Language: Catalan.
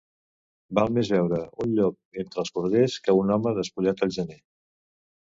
Val més veure un llop entre els corders que un home despullat al gener.